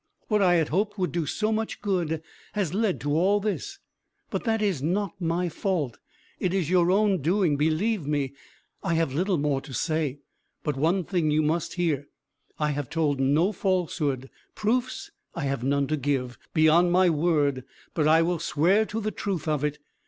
What I had hoped would do so much good has led to all this; but that is not my fault, it is your own doing, believe me; I have little more to say, but one thing you must hear: I have told no falsehood. Proofs I have none to give, beyond my word, but I will swear to the truth of it.